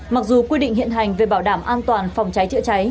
mặc dù quy định hiện hành về bảo đảm an toàn phòng cháy chữa cháy